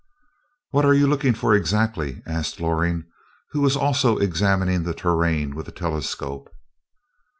"What are you looking for, exactly?" asked Loring, who was also examining the terrain with a telescope.